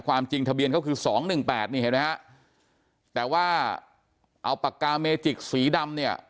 ความจริงทะเบียนเขาคือ๒๑๘นี่เห็นไหมฮะแต่ว่าเอาปากกาเมจิกสีดำเนี่ย